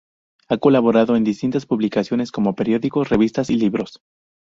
Ha colaborado en distintas publicaciones como periódicos, revistas y libros.